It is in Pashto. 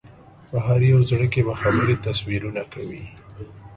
په هر یو زړه کې به خبرې تصویرونه کوي